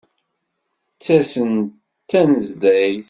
Ttasen-d tanezzayt.